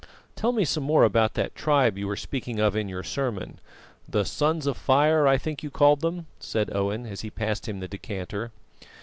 "Tell me some more about that tribe you were speaking of in your sermon, the 'Sons of Fire' I think you called them," said Owen, as he passed him the decanter.